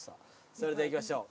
それではいきましょう。